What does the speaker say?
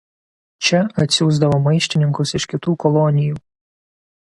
Čia atsiųsdavo maištininkus iš kitų kolonijų.